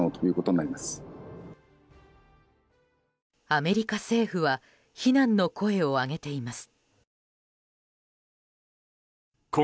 アメリカ政府は非難の声を上げています。